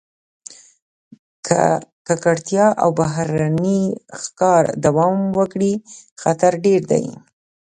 که ککړتیا او بهرني ښکار دوام وکړي، خطر ډېر دی.